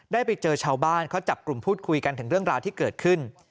ได้ไปเจอชาวบ้านเขาจับกลุ่มพูดคุยกันถึงเรื่องราวที่เกิดขึ้น